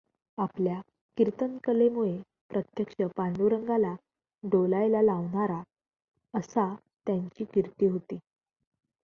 आपल्या कीर्तनकलेमुळे प्रत्यक्ष पांडुरंगाला डोलायला लावणारा असा त्यांची कीर्ती होती.